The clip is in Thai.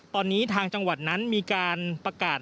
ตอนนี้ทางจังหวัดนั้นมีการประกาศ